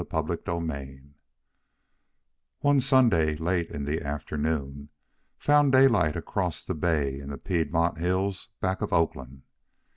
CHAPTER XI One Sunday, late in the afternoon, found Daylight across the bay in the Piedmont hills back of Oakland.